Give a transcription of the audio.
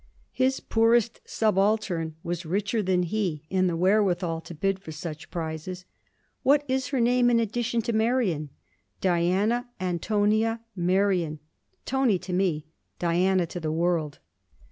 His poorest subaltern was richer than he in the wherewithal to bid for such prizes. 'What is her name in addition to Merion?' 'Diana Antonia Merion. Tony to me, Diana to the world.'